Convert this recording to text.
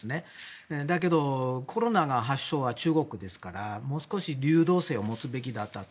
だけど、コロナの発祥は中国ですからもう少し流動性を持つべきだったと。